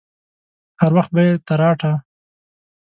هر وخت به يې تراټه.